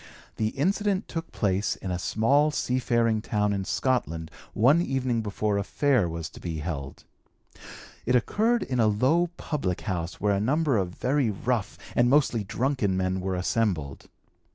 The incident took place in a small seafaring town in Scotland one evening before a Fair was to be held. It occurred in a low public house where a number of very rough and mostly drunken men were assembled.